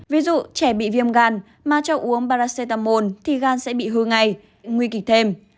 ví dụ trẻ bị viêm gan mà cho uống paracetamol thì gan sẽ bị hư ngay nguy kịch thêm